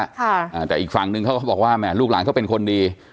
อ่าแต่อีกฝั่งนึงเขาก็บอกว่าแหมลูกหลานเขาเป็นคนดี